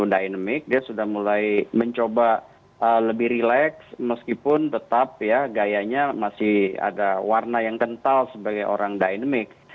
dynamic dia sudah mulai mencoba lebih relax meskipun tetap ya gayanya masih ada warna yang kental sebagai orang dynamic